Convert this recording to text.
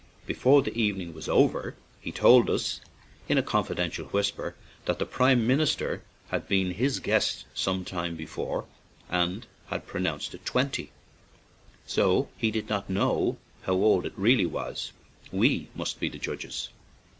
Before the evening was over, he told us, in a confidential whisper, that the prime minister had been his guest some time before and had pronounced it "twenty," so he did not know how old it really was — we must be the judges.